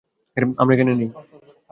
আমরা এখানে নেই।